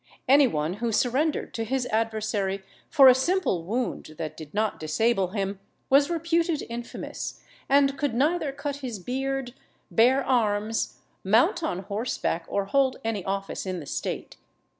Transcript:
Any one who surrendered to his adversary for a simple wound that did not disable him, was reputed infamous, and could neither cut his beard, bear arms, mount on horseback, or hold any office in the state.